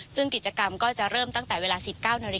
ซึ่งกิจกรรมก็จะเริ่มตั้งแต่เวลา๑๙นาฬิ